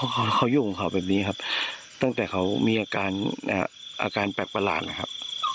เพราะเขาอยู่ของเขาแบบนี้ครับตั้งแต่เขามีอาการอาการแปลกประหลาดนะครับ